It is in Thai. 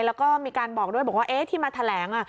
แล้วก็มีการบอกด้วยบอกว่าที่มาแถลง